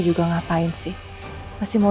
jangan lupa like share dan subscribe ya